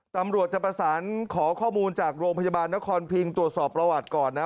ตำรวจจะประสานขอข้อมูลจากโรงพยาบาลนครพิงตรวจสอบประวัติก่อนนะ